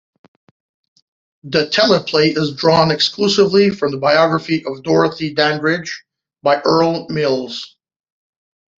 The teleplay is drawn exclusively from the biography of Dorothy Dandridge by Earl Mills.